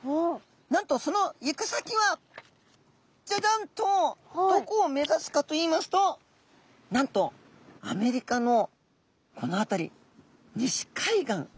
なんとその行く先はジャジャンとどこを目指すかといいますとなんとアメリカのこの辺り西海岸。